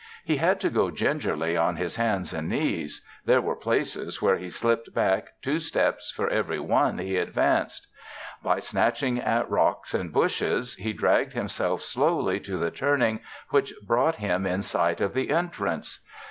He had to go gingerly on his hands and knees. There were places where he slipped back two steps for every one he advanced. By snatching at rocks and bushes, he dragged himself slowly to the turning which brought him in sight of the entrance.